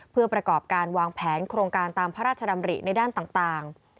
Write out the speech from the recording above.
เพื่อประกอบการวางแผนโครงการตามพระราชดำริในด้านต่าง